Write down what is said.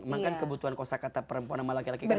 emang kan kebutuhan kosa kata perempuan sama laki laki kan